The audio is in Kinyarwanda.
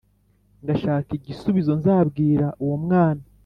Ngashaka igisubizo Nzabwira uwo mwana